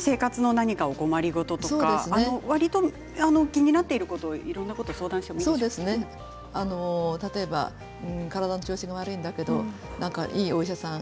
生活の困り事とかわりと気になっていることをいろいろなこと例えば体の調子が悪いんだけどいいお医者さん